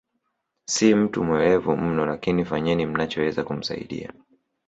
Si mtu mwelevu mno lakini fanyeni mnachoweza kumsaidia